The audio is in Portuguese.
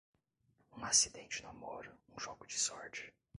Um acidente no amor, um jogo de sorte.